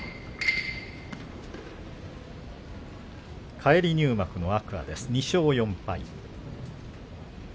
返り入幕の天空海、２勝４敗。